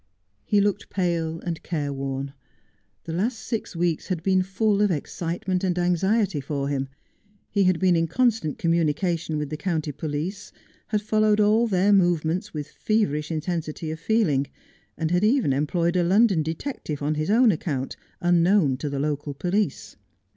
He looked pale and careworn. The last six weeks had been full of excitement and anxiety for him. He had been in constant communication with the county police, had followed all their movements with feverish intensity of feeling, and had even employed a London detective on his own account, unknown to the local police.